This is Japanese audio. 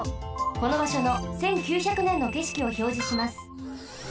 このばしょの１９００ねんのけしきをひょうじします。